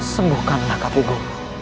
sembuhkanlah kakek guru